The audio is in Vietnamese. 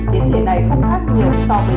biến thể này không khác nhiều so với